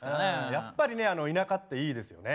やっぱりね田舎っていいですよね。